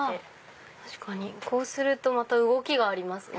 確かにこうすると動きがありますね。